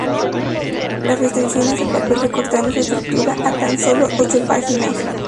Las restricciones de papel recortaron su estructura a tan sólo ocho páginas.